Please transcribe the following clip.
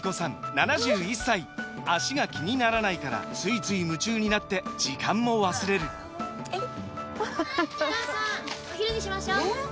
７１歳脚が気にならないからついつい夢中になって時間も忘れるお母さんお昼にしましょうえー